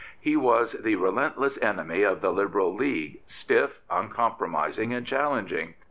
He was the relentless enemy of the Liberal League, stiff, uncom promising, and challenging.